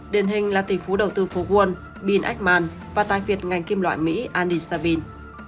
điển hình là tỷ phú đầu tư phú quân bill ackman và tài việt ngành kim loại mỹ andy sabin